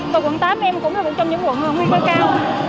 từ quận tám em cũng trong những quận huyên cao cao